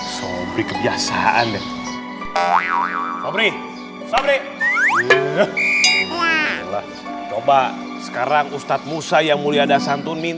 everybody kebiasaan dari kprin melembabkan sekarang ustadz musa yang historic